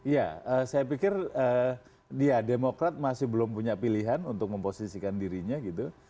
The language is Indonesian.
ya saya pikir dia demokrat masih belum punya pilihan untuk memposisikan dirinya gitu